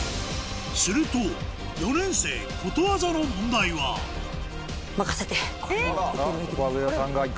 すると４年生ことわざの問題はえ！